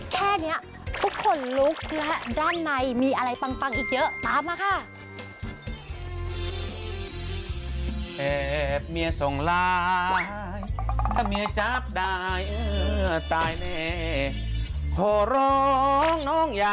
แค่นี้ทุกคนลุกและด้านในมีอะไรปังอีกเยอะตามมาค่ะ